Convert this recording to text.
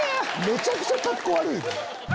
めちゃくちゃカッコ悪いで。